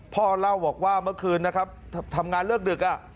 พ่อเล่าบอกว่าเมื่อคืนนะครับทำงานเลิกดึก